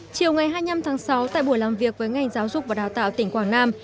chiều ngày hai mươi năm tháng sáu tại buổi làm việc với ngành giáo dục và đào tạo tỉnh quảng nam